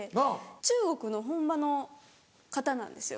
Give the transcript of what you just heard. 中国の本場の方なんですよ。